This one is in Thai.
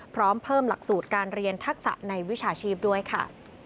พร้อมเพิ่มหลักสูตรการเรียนทักษะในวิชาชีพด้วยค่ะ